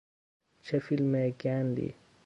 چه فیلم گندی!